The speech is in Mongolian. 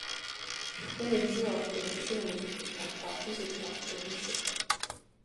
Эх хүн эмнэлгийн орон дээр үхлийн өмнө хэвтэж байхдаа олон зүйл боддог юм билээ.